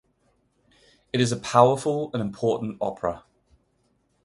It is a powerful and important opera.